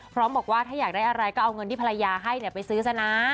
พร้อมบอกว่าถ้าอยากได้อะไรก็เอาเงินที่ภรรยาให้ไปซื้อซะนะ